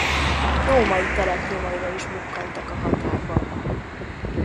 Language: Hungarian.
Római telep nyomaira is bukkantak a határban.